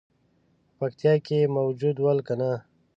په پکتیا کې موجود ول کنه.